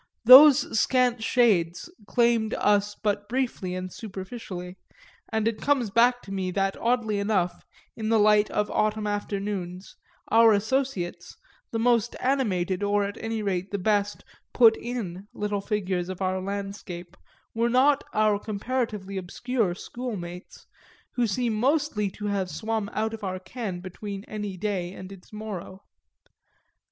Those scant shades claimed us but briefly and superficially, and it comes back to me that oddly enough, in the light of autumn afternoons, our associates, the most animated or at any rate the best "put in" little figures of our landscape, were not our comparatively obscure schoolmates, who seem mostly to have swum out of our ken between any day and its morrow.